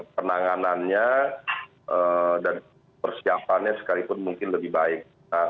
penanganannya dan persiapannya sekalipun mungkin lebih baik